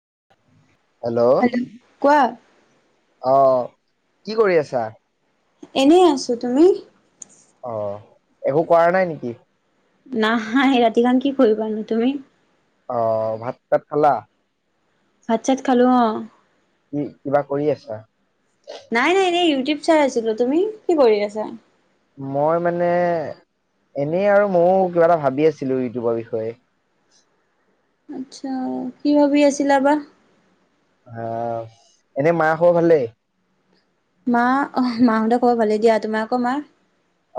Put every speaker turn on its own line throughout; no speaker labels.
[inaudible]
Hello! কোৱা।
অ' কি কৰি আছা?
এনেই আছোঁ, তুমি?
অ' একো কৰা নাই নেকি?
নাই ৰাতিখন কি কৰিবা নো, তুমি?
অ' ভাত চাত খালা?
ভাত চাত খালোঁ অ।
কি, কিবা কৰি আছাঁ?
নাই, নাই এ ইউটিউব চাই আছিলোঁ। তুমি কি কৰি আছা?
মই মানে এনে আৰু ময়োঁ কিবা এটা ভাবি আছিলোঁ ইউটিউবৰ বিষয়ে।
আচ্ছা! কি ভাবি আছিলা বা?
অ'হ এনে মা খবৰ ভালেই?
মা‌ অ'হ মাহঁতৰ খবৰ ভালে দিয়, তোমালোকৰ মা?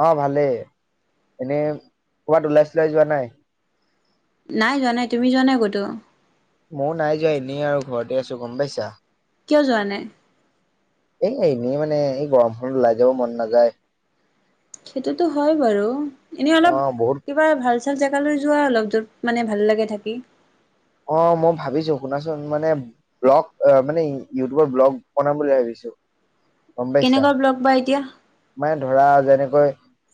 অ' ভালেই এনেই কৰ'বাত ওলাই চলাই যোৱা নাই?
নাই যোৱানাই। তুমি যোৱা নাই ক'তো?
মও নাই যোৱা এনেই আৰু ঘৰতে আছোঁ গম পাইছা।
কিয় যোৱা নাই?
এই এনেই মানে এই গৰমখনত ওলাই যাব মন নাযায়।
সেইটোতো হয় বাৰু, এনেই
অ
অলপ
বহুত
কিবা ভাল ছাল জেগালৈ যোৱা অলপ য'ত মানে ভাল লাগে থাকি
অ মই ভাবিছোঁ শুনাচোন মানে ব্লগ মানে ইউটোপত ব্লগ বনাম বুলি ভাবিছোঁ
কেনেকুৱা ব্লগ বা এতিয়া
মানে ধৰা যেনেকৈ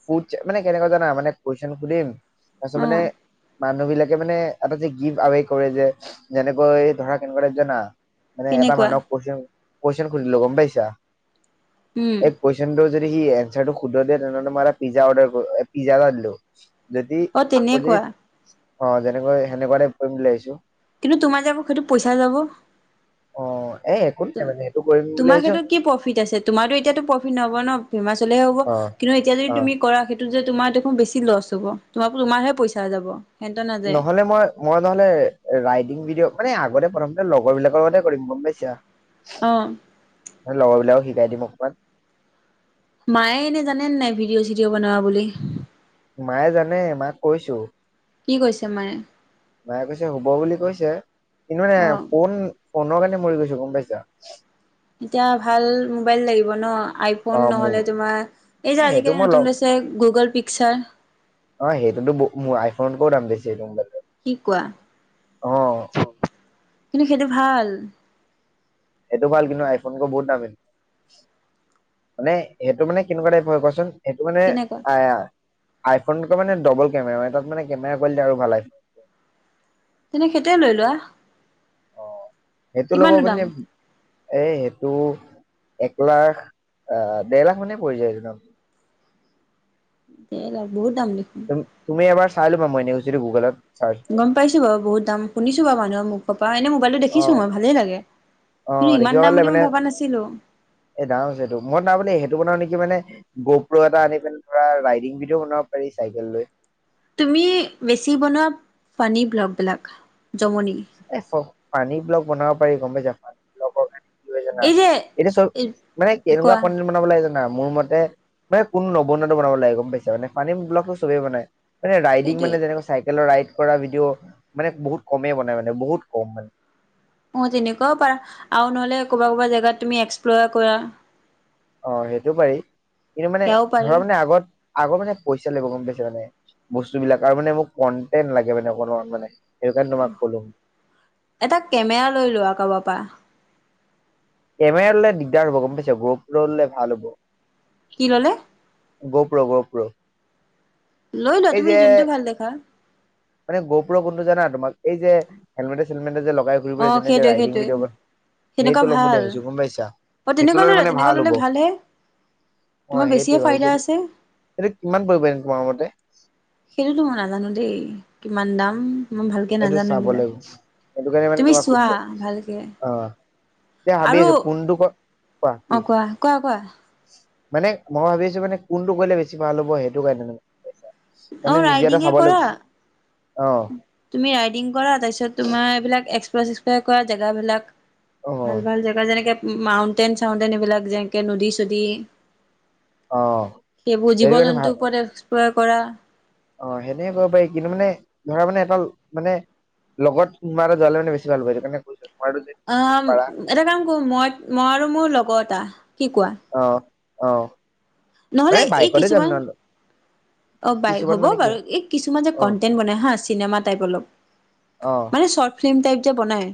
ফুউচ মানে কেনেকা জানা মানে কুৱেচন সুধিম তাছত
অ
মানে মানুহ বিলাকে মানে এটা যে গিফ্ট আৱে কৰে যে যেনেকৈ ধৰা কেনেকুৱা এ জনা মানে এটা
কেনেকুৱা?
মানুহক কুৱেশন কুৱেশন সুধিলোঁ গম পাইছা
উম।
এক কুৱেশনটো যদি সি এচাৰটো শুদ্ধকে দিয়ে তেনেহ'লে মই এটা পিজ্জা অৰ্ডাৰ পিজ্জা এটা দিলোঁ যদি
অ
আকৌ যে
তেনেকুৱা
অ যেনেকৈ সেনেকুৱাতে কৰিম বুলি ভাবিছোঁ
কিন্তু তোমাৰ যাব সেইটো পইচা যাব
অ এ একো নাই মানে সেইটো কৰিম বুলি
তোমাৰ
ভাবিছো
ক্ষেত্ৰত কি প্ৰফিট আছে তোমাৰতো এতিয়াতো প্ৰফিট নহব ন হিমাচলেহে হ'ব
অ
কিন্তু এতিয়া যদি
অ
তুমি কৰা যে তোমাৰ দেখোন বেছি লছ হব তোমাকো তোমাৰহে পইচা যাব সিহঁতৰ নাযায়
ন'হলে মই মই নহলে ৰাইডিং ভডিঅ' মানে আগতে প্ৰথমতে লগৰ বিলাকৰ মতে কৰিম গম পাইছা
অহ
লগৰবিলাকক শিকাই দিম অকমান
মায়ে এনে জানেনে নাই ভিডিঅ' চিডিঅ' বনাৱা বুলি
মায়ে জানে মাক কৈছোঁ
কি কৈছে মায়ে?
মায়ে কৈছে হ'ব বুলি কৈছে সেইতো কাৰণে
অ
ফোন ফোনৰ কাৰণে মৰি গৈছো গম পাইছা।
এতিয়া ভাল মোবাইল লাগিব ন,
অ
আইফোন
মোৰ
নহলে তোমাৰ এই যে
সেইটো
আজিকালি
মই লম
নতুনৈ গুগ পিক্সাৰ।
অ সেইটোতোৰ, মোৰ আইফোনতকৈও দাম বেছি।
কি কোৱা?
অ
কিন্তু সেইটো ভাল।
সেইটো ভাল কিন্তু আইফোনক বহুত দামী, মানে সেইটো মানে কেনেকুৱা টাইপৰ হয় কোৱাচোন? সেইটো মানে
কেনেকুৱা
আ আইফোনটো মানে ডবল কেমেৰা হয় তাত মানে কেমেৰা কোৱালিটি আৰু ভাল হয়।
তেনে সেইটোৱেই লৈ লোৱা।
অ সেইটো ল'ব
কিমাননো
পে
দাম
এ সেইটো এক লাখ, আহ দেৰ লাখ মানেই পৰি যায়।
এৰা বহুত দাম দেখোন
তুমি এবাৰ চাই লবা মই এনেই কইছিলো গুগলত চাৰ্চ
গম পাইছো বাৰু বহুত দাম শুনিছো বাৰু মানুহৰ মোক পৰা, এনে মোবাইলটো
অ
দেখিছো মই ভালেই লাগে।
অ,
কিন্তু ইমান
দেখিব
দাম
পাৰিলে
বুলি মই
মানে,
ভবা নাছিলো
এ দাম আছে এইটো মই তাৰমানে সেইটো বনাও নেকি মানে, গপ্ৰৰ এটা আনি পিনে ধৰা ৰাইডিং ভিডিঅ বনাব পাৰি চাইকেল লৈ।
তুমি বেছি বনোৱা পানী ব্লগ বিলাক
এফ পানী ব্লক বনাব পাৰি গম পাইছা, পানী ব্লক আ। কি হয় জানা,
এই যে
এতিয়া চব
এই
মানে কেনেকুৱা
কোৱা
কণ্টেণ্ট বনাব লাগে জানা মোৰ মতে মানে, কোনো নবনাটো বনাব লাগে গম পাইছা মানে পানীৰ ব্লকটো চবেই বনাই। মানে ৰাইডিং
সেইটোৱে
মানে যেনেক চাইকেল ৰাইড কৰা ভিডিঅ', মানে বহুত কমেই বনাই মানে। বহুত কম হয়।
অ তেনেকুৱাও পাৰা আৰু নহলে ক'বা ক'বা জাগাত তুমি এক্সপ্লৰ কৰা।
অ সেইটো পাৰি। কিন্তু মানে
সেয়াও পাৰি
ধৰা মানে আগত আগৰ মানে পইচা লাগিব গম পাইছে মানে বস্তুবিলাক আৰু মানে মোক কণ্টেণ্ট লাগে মানে অকণমান মানে। সেইটো কাৰণে তোমাক ক'লো
এটা কেমেৰা লৈ লোৱা কাৰোবাৰ পৰা।
কেমেৰাললে দিগদাৰ হ'ব গম পাইছ গ প্ৰ ৰলে ভাল হব।
কি ললে?
গপ্ৰ, গ প্ৰ।
লৈ লোৱা তুমি যোনটো ভাল দেখা।
মানে গহপুৰৰ বন্ধু জানা তোমাৰ এই যে হেলমেটে চেলমেটে
অ
যে-
সেইটোৱে
ৰাইডিং
সেইটোৱে
ভিডিঅবোৰ
সেনেকুৱা
সেইটো লম বুলি
ভাল
ভাবিছোঁ গম পাইছা,
অ তেনেকুৱা
সেইটো ললে
ল'লা
মানে
তেনেকুৱা
ভাল
ল'লে
হ'ব
ভালহে
অ
তোমাৰ বেছিয়ে
সেই-
ফাইদা
ভাবিছিলো
আছে
এইটো কিমান পৰিব তোমাৰ মতে?
সেইটোতো মই নাজানো দেই কিমান দাম। মই ভালকে
সেইটো
নাজানো
চাব
এইবিলাক
লাগিব সেইটো কাৰণে মানে
তুমি
তোমাক
চোৱা
সুধিলো
ভালকে
অ এতিয়া ভাবি
আৰু
আছো কোনটো ক
অ কোৱা কোৱা কোৱা।
মানে মই ভাবিছো মানে কোনটো কৰিলে বেছি ভাল হ'ব সেইটো কাৰণে মছা-
অ ৰাইডিংয়ে কৰা।
অহ।
তুমি ৰাইডিং কৰা তাৰপিছত তোমাৰ এইবিলাক [unintelligible] কৰা জেগাবিলাক।
অ
ভাল ভাল জেগা যেনেকে মাউন্টেন-চাউন্টেন এইবিলাক যেনেকে নদী চদী
অ
সেইবোৰ জীৱ
সেইটো কাৰণে ভাল
জন্তুৰ ওপৰত প কৰা।
অ সেনেকে কৰিব পাৰি কিন্তু মানে ধৰা মানে এটা মানে লগত কোনোবা এটা যোৱালে মানে বেছি ভাল হ'ব সেইটোকাৰণে
অ এটা কাম কৰোঁ মই মই আৰু মোৰ লগত টা কি কোৱা।
অ অ। মানে
নহ'লে এই
বাইকতে যাম
কিছুমান
নহ'লে
অ
ই
বাই
চুপাৰত
হ'ব
মানে কি
বাৰু এই কিছুমান যে
অ
কন্টেন্ট বনাই হা চিনেমা টাইপ অলপ
অ
মানে চৰ্ট ফিল্ম টাইপ যে বনাই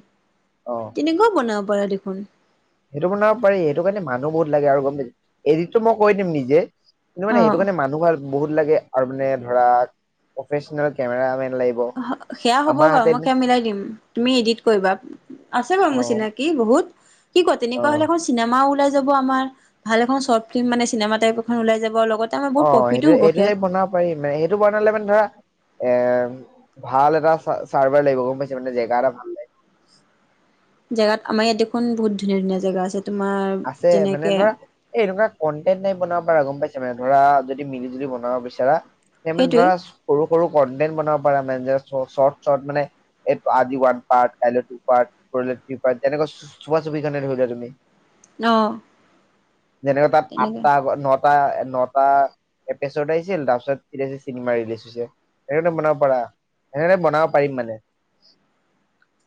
অ
তেনেকুৱা বনাব পাৰা দেখোন।
সেইটো বনাব পাৰি সেইটো কাৰণে মানুহ বহুত লাগে আৰু গম পাই এদিত টো মই কৰি দিম নিজে কিন্তু
অ
মানে সেইটো কাৰণে মানুহ ভাল বহুত লাগে। আৰু মানে ধৰা প্ৰফেচনেল কেমেৰা মেন
সেয়া হ'ব বাৰু মই সেয়া মিলাই দিম তুমি এডিট কৰিবা আছে বাৰু মোৰ
অ
চিনাকি বহুত। কি কোৱা
অ
তেনেকোৱা হ'লে এখন চিমাও ওলাই যাব আমাৰ ভাল এখন চৰ্ট ফিল্ম মানে চিনেমা টাইপ এখন ওলাই যাব লগত
অ সেইটো এইটো হে বনাব পাৰিম মানে সেইটো বনালে মানে ধৰা এ ভাল এটা চা চাৰ্ভাৰ লাগিব গম পাইছা মানে জেগা এটা ভাল লাগিব।
আমাৰ ইয়াত দেখোন বহুত ধুনীয়া ধুনীয়া জেগা আছে। তোমাৰ
আছে মানে
যেনেকে
ধৰা এ এনেকুৱা কণ্টেন্ট টাইপ বনাব পাৰা গম পাইছা ধৰা যদি মিলিজুলি বনাব বিচাৰা সেই মানে
সেইটোৱে
ধৰা সৰু সৰু কনটেন্ট বনাব পাৰা মেনে জে চ চৰ্ট চৰ্ট মানে আজি ওৱান পাৰ্ট কাইলৈ টুপাৰ্ট পৰহিলৈ থ্ৰি পাৰ্ট যেনেকৈ চুপাচুপিখনেই ধৰি লোৱা তুমি
অঁ
যেনেকৈ তাত আঠটা নটা আঠটা নটা এপিচোদ আহিছিল তাৰপিছত এতিয়া চিনেমা ৰিলিজ হৈছে এনেধৰণে বনাব পাৰা এনেকে বনাব পাৰিম মানে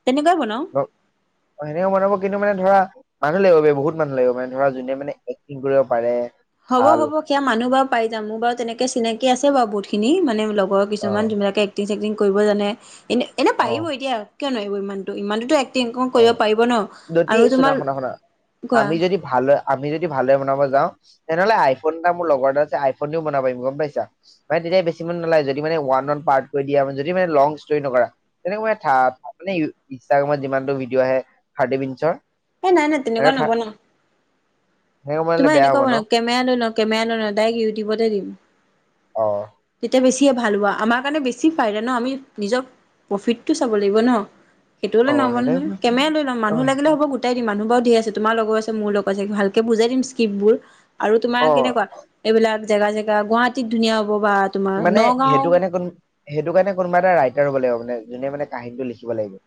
তেনেকুৱাই বনাও
অঁ সেনেকে বনাব কিন্তু মানে ধৰা মানুহ লাগিব বে বহুত মানুহ লাগিব মানে ধৰা যোনে মানে এক্টিং কৰিব পাৰে ভাল
হ'ব-হ'ব সেয়া মানুহ বাৰু পাই যাম। মোৰ বাৰু তেনেকে চিনাকি আছে। বহুত খিনি, মানে
অ
কিছুমান ধুনীয়াকে এক্টিং-চেক্টিং কৰিব জানে। এনে-এনেই
অ
পাৰিব এতিয়া কিয় নোৱাৰিব ইমানটো, ইমানোতো এক্টিং
অ
কৰিব পাৰিব ন?
যদি
আৰু
শুনা
তোমাৰ,
শুনা শুনা
কোৱা?
আমি যদি ভালদৰে আমি যদি ভালদৰে বনাব যাওঁ। তেনেহলে আইফোন এটা মোৰ লগৰ এটাৰ আছে, আইফোনতে দি বনাব পাৰিম গম পাইছা? মানে তেতিয়া বেছি মানুহ নালাগে যদি মানে ওৱান-ওৱান পাৰ্ট কৰি দিয়া যদি মানে লং ষ্টৰি নকৰা, তেনেকৈ মানে ইনষ্টাগ্ৰামত যিমানটো ভিডিঅ' আহে, টাৰ্টি মিনিটচৰ।
এ নাই-নাই তেনেকুৱা নবনাও।
সেনেকে বনালে
তোমাৰ
বেয়া
এনেকুৱা
হ'ব ন
বনাম কেমেৰা লৈ লম-কেমেৰা লৈ লম, ডাইৰেক্ট ইউটিউবতে দিম।
অহ।
তেতিয়া বেছিয়ে ভাল হ'ব আমাৰ কাৰণে বেছি ফাইদা ন? আমি নিজৰ প্ৰফিটটো চাব লাগিব ন? সেইটো হলে
অ
নহব নহয়।
সেনেকে
কেমেৰা লৈ ল'ম।
অ
মানুহ লাগিলে হবো গোটেই গোটাই দিম। মানুহ বাৰু ধেই আছে, তোমাৰ লগৰো আছে মোৰ লগৰো আছে। ভালকে বুজাই দিম স্কিপবোৰ। আৰু তোমাৰ
অ
কেনেকুৱা, এইবিলাক জেগা-জেগা গুৱাহাটীত ধুনীয়া হ'ব। বা তোমাৰ
মানে
নগাঁও
সেইটো কাৰণে কোন সেইটো কাৰণে কোনোবা এটা ৰাইটাৰ হ'ব লাগিব মানে যোনে মানে কাহিনীটো লিখিব লাগিব।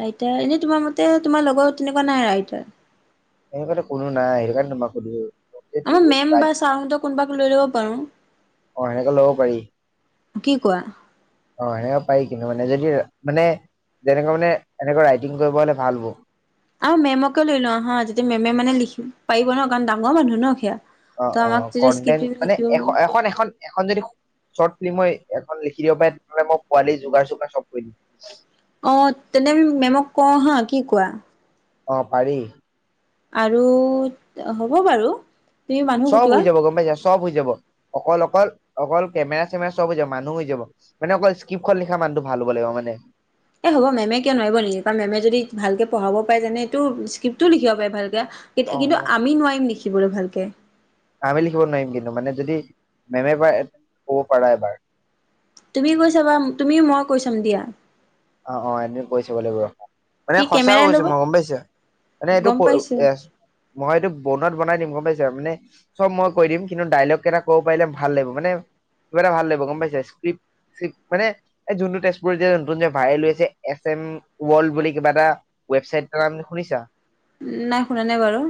ৰাইটাৰ এনেই তোমাৰ মতে, তোমাৰ লগৰ তেনেকুৱা নাই ৰাইটাৰ?
এনেকুৱো কোনো নাই সেইকাৰণেটো তোমাক সুধিলো। যদি
আমাৰ মে'ম বা
ৰাইট-
ছাৰহঁতৰ কোনোবাক লৈ ল'ব পাৰো।
অহ, হেনেকে ল'ব পাৰি।
কি কোৱা?
অহ এনেকে পাৰি কিন্তু মানে যদি মানে যেনেকে মানে এনেকুৱা ৰাইটিং কৰিলে ভাল হব।
আৰু মেমকে লৈ লও হয় যদি মেমে মানে লিখিব পাৰিব ন? ইমান ডাঙৰ মানুহ ন সেয়া? ত আমাক
অহ-অহ
তেতিয়া স্ক্ৰিপ্ট
কনটেনত মানে
লিখিব
এ-এখন-এখন-এখন যদি শৰ্ট ফিল্ম মই এখন লিখি দিব পাৰে, তেতিয়াহলে মই পোৱালি যোগাৰ চোগাৰ চব কৰি দিম।
অহ, তেনে মেমক কওঁ হা, কি কোৱা?
অহ পাৰি।
আৰু হ'ব বাৰু। তুমি মানুহ
চব হৈ
পতোৱা।
যাব গম পাইছা চব হৈ যাব। অকল-অকল-অকল কেমেৰা-চেমেৰা চব হৈ যাব, মানুহ হৈ যাব। মানে অকল স্ক্ৰিপ্টখন লিখা মানুহটো ভাল হ'ব লাগিব মানে।
এই হ'ব মেমে কিয় নোৱাৰিব নেকি? কাৰণ মেমে যদি ভালকে পঢ়াব পাৰে যেনে এইটো স্ক্ৰিপ্টো লিখিব পাৰে ভাল তেতিয়া
অ
কিন্তু আমি নোৱাৰিম নেকি? শিকিবলৈ ভালকে।
আমি লিখিব নোৱাৰিম কিন্তু মানে যদি মেমে কয় ক'ব পাৰা এবাৰ।
তুমি কৈছাবা তুমি মই কৈছাম দিয়া।
অ অ এদিন কৰি চাব লাগিব। মানে
কি
সঁচাও
কেমেৰাই
কৈছো
ল'ব
মই গম পাইছা, মানে এইটো
গম পাইছো
ইয়েছ মই এইটো বনোৱাত বনাই দিম গম পাইছা। মানে চব মই কৈ দিম কিন্তু ডাইলগ কেইটা ক'ব পাৰিলে ভাল লাগিব মানে কিবা এটা ভাল লাগিব গম পাইছে। স্কিপ স্কিপ মানে এই যোনটো তেজপুৰত যে নতুন যে ভাইৰেল হৈছে এছ এম ৱৰ্ল্ড বুলি কিবা এটা ৱেবচাইট এটা নাম শুনিছা?
উম নাই শুনা নাই বাৰু।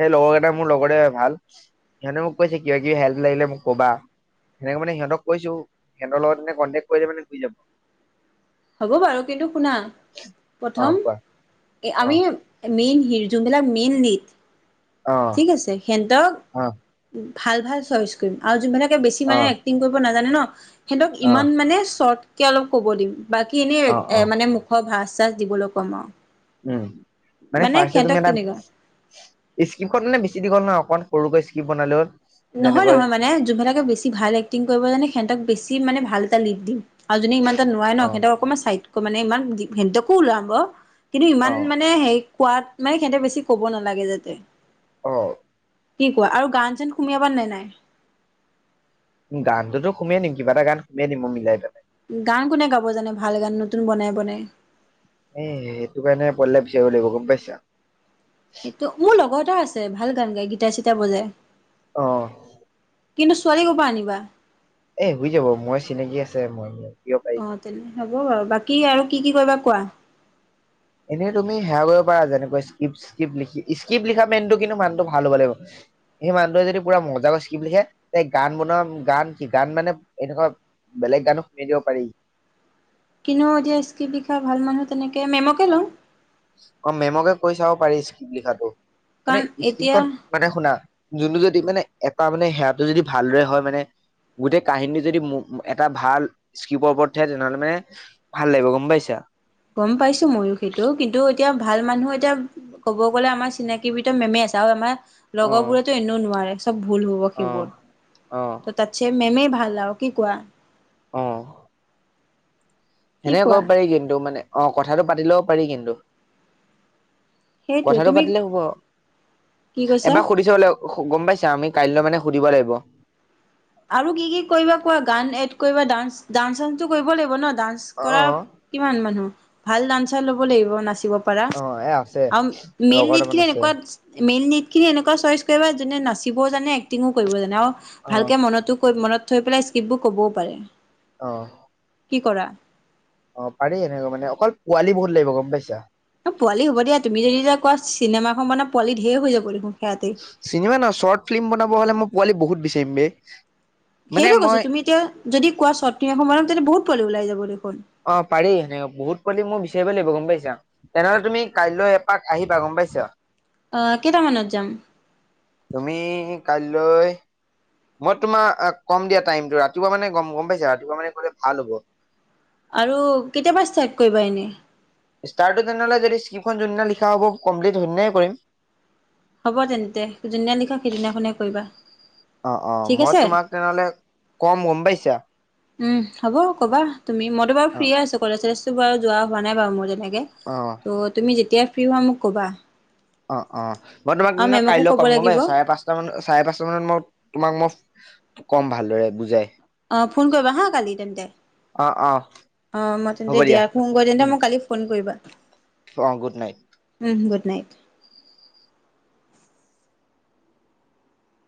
সেই লগৰ কেইটা মোৰ লগৰে ভাল সিহঁতে মোক কৈছে, কিবা কিবি হেল্প লাগিলে মোক কবা। সেনেকে মানে সিহঁতক কৈছো সিহঁতৰ লগত মানে কনটেক্ট কৰিলে মানে শুই যাব।
হ'ব বাৰু কিন্তু শুনা
অ
প্ৰথম
কোৱা অ
আমি মেইন সেই যোনবিলগ মেইন লিড ঠিক
অ',
আছে সেনতক
অ',
ভাল ভাল চইচ কৰিম আৰু যোন ভনে বেছি মানে
অ',
এক্টিং কৰিব না জানে ন সিহঁতক
অ',
ইমান মানে চৰ্ট কে অলপ ক'ব দিম। বাকী এনেই
অ',
এ
অ',
মানে মুখৰ ভাঁজ। শ্বাস দিবলৈ কম আও।
উম মানে ফাৰ্ষ্ট তুমি এটা,
তেনেকুৱা
স্ক্ৰিপ্টখন মানে বেছি দীঘল নহয় অকন সৰুকৈ স্ক্ৰীপ বনালে হ'ল।
নহয়
যেনেকৈ
নহয় মানে যোনবিলকে বেছি ভাল এক্টিং কৰিব জানে সিহঁতক বেছি মানে ভাল এটা লিড দিম। আৰু যোনে ইমানটা নোৱাৰে
অ',
সিহঁতক অকণমান চাইড। মানে ইমান সিহঁতকো ওলাব। কিন্তু ইমান
অ',
মানে হে কোৱাত নাই সেহতক বেছি ক'ব নালাগে যাতে।
অ
কি কোৱা আৰু গান চেন, সুমিয়াবা নে নাই?
গানটো টো সুমিয়াই দিম কিবা এটা গান সুমিয়াই দিম, মই মিলাই পেলাই।
গান কোনে গাব জানে ভাল গান নতুন বনাই বনাই?
এ সেইটো কাৰণে পঢিলে বিচাৰিব লাগিব। গম পাইছা?
এইটো, মোৰ লগৰ এটা আছ- ছে ভাল গান গাই গীটাৰ চিটাৰ বজাই।
অহ।
কিন্তু ছোৱালী ক'ৰ পৰা আনিবা?
এ শুই যাব, মই চিনাকি আছে। মই দিব পাৰি।
অ তেনে হ'ব বাৰু। বাকী আৰু কি কি কৰিবা কোৱা?
এনেই তুমি সেৱা কৰিব পাৰা, যেনেকৈ স্ক্ৰিপ্ট স্ক্ৰিপ্ট লিখা মেইনটো মানুহটো ভাল হ'ব লাগিব। সেই মানুহটোৱে যদি পুৰা মজা কৈ স্ক্ৰিপ্ট লিখে, সেই গান বনোৱা গান কি গান মানে এনেকুৱা বেলেগ গানো সুমিয়াই দিব পাৰি।
কিনো এতিয়া স্ক্ৰিব লিখা ভাল মানুহ তেনেকে মেমকে লওঁ।
অ মেমকে কৈ চাব পাৰি স্ক্ৰিপ্ট লিখাটো। মানে
কাৰণ এতিয়া
স্ক্ৰিপ্টখন মানে শুনা, যোনটো যদি মানে এটা মানে সেইয়াটো যদি ভালদৰে হয় মানে, গোটেই কাহিনীটো যদি এটা ভাল স্ক্ৰিপৰ ওপৰত উঠে, তেনেহ'লে মানে ভাল লাগিব গম পাইছা।
গম পাইছো ময়ো সেইটো। কিন্তু, এতিয়া ভাল মানুহ এতিয়া ক'ব গ'লে আমাৰ চিনাকি ভিতৰত মেমে আছে। আৰু আমাৰ,
অ
লগৰ বোৰেতো এনেও নোৱাৰে, চব ভুল হব
অ
সেইবোৰ
অ
ত তাতছে মেমেই ভাল, ভাল আৰু। কি কোৱা?
অহ।
কি
সেনেকে
কোৱা
ক'ব পাৰি। কিন্তু মানে, অ কথাটো পাতি ল'ব পাৰি কিন্তু।
সেইটোৱে
কথাটো
তুমি
পাতিলে
কি
হব।
কৈছা
এবাৰ সুধিচাব লাগিব গম পাইছ? আমি কাইলৈ মানে সুধিব লাগিব।
আৰু কি কি কৰিবা কোৱা, গান এড কৰিব ডান্ ডান্স চান্সটো কৰিব লাগিব ন? ডান্স
অ
কৰা কিমান মানুহ? ভাল দান্সাৰ ল'ব লাগিব নাচিব। পৰা।
অ এ আছে
আৰু মেইন
লগৰ
লিট
দুটামান
খিনি
আছে
এনেকুৱা খিনি এনেকুৱা চইচ কৰিবা, যোনে নাচিবও জানে, এক্টিংও কৰিব জানে। আৰু
অ
ভাল [unintelligible] মনতো কৰিম মনত, থৈ পেলাই স্ক্ৰিববোৰ ক'বও পাৰে।
অ।
কি কৰা?
অ পাৰি এনেকৈ মানে, অকল পোৱালি বহুত লাগিব গম পাইছা?
অ পোৱালি হ'ব দিয়া, তুমি যদি এতিয় কোৱা চিনেমাখন মানে পোৱালি ধেই যাব দেখোন। সেয়াতে
চিনেমা ন, শ্বৰ্ত ফিল্ম বনাব হ'লে মই পোৱালি বহুত বিচাৰি থিম্বে [unintelligible]
সেইটো কৈছো তুমি এতিয়া যদি কোৱা শ্বৰ্ত ফিল্ম বনাম বহুত পোৱিলি ওলাই যাব। খ। [unintelligible]
অ পাৰি হেনেকে বহুত পোৱালি মই বিচাৰি লাগিব গম পাইছা, তেনেহ'লে তুমি কাইলৈ এপাক আহিবা গম পাইছা।
আহ কেইটামানত যাম।
তুমি কাইলৈ, মই তোমাক কম দিয়া টাইমতটো ৰাতিপুৱা মানে গম গম পাইছা ৰাতিপুৱা মানে কলে ভাল হ'ব।
আৰু, কেতিয়াবা ষ্টাইক কৰিবা এনে।
ষ্টাৰটো তেনেলে যদি স্কিপ্টখন যোনদিনা লিখা হ'ব কমপ্লিটনাই কৰিম।
হ'ব তেন্তে যোনদিনা লিখা সেইদিনাখনে কৰিবা
অ অ
ঠিক
মই
আছে
তোমাক তেনেহ'লে, কম গম পাইছা।
উম, হ'ব কবা। তুমি মইো বাৰ
অ
ফিয়ে আছো কলেজ। বাৰ যোৱা নাই বাৰ মোৰ যেনেক।
অ
ত তুমি যেতিয়া। ফ্ৰি হৈ মোক'বা।
অ অ, মই তোমাক দি কাইলৈ
ক'ব
কম গম
লাগিব
চাৰে পাঁচটা মান চাৰে পাঁচটা মানত, মই তোমাক মই। কম ভালদৰে বুজাই।
অ ফোন কৰিবা হা কালি তেন্তে,
অ অ
অ মই তেন্তে দিয়া ফোন কৰিৈ
উম
তেন্তে মোক কালি ফোন কৰিবা।
অ গুড নাইট।
উ গুড নাইট।